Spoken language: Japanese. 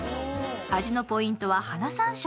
味のポイントは花山椒。